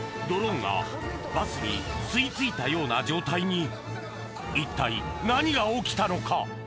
ドローンがバスに吸い付いたような状態に一体何が起きたのか？